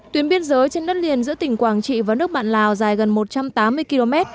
tuyến biên giới trên đất liền giữa tỉnh quảng trị và nước bạn lào dài gần một trăm tám mươi km